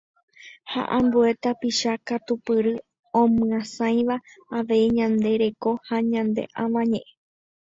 ha ambue tapicha katupyry omyasãiva avei ñande reko ha ñane Avañe'ẽ